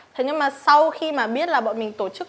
thế nhưng mà sau khi mà biết là bọn mình tổ chức